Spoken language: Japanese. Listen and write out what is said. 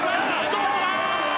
どうだ！